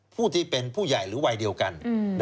ผู้ที่เป็นผู้ใหญ่หรือวัยเดียวกัน